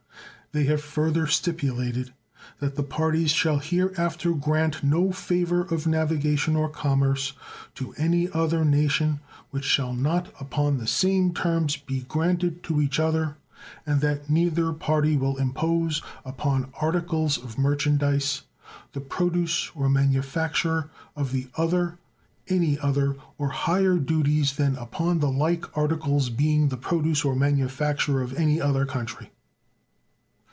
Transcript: They have further stipulated that the parties shall hereafter grant no favor of navigation or commerce to any other nation which shall not upon the same terms be granted to each other, and that neither party will impose upon articles of merchandise the produce or manufacture of the other any other or higher duties than upon the like articles being the produce or manufacture of any other country.